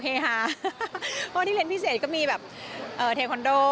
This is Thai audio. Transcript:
เพราะที่เล่นพิเศษก็มีเทคคอนโด